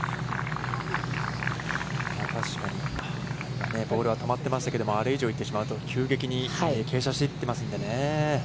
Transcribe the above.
確かに、ボールは止まってましたけれども、あれ以上、行ってしまうと、急激に傾斜していってますのでね。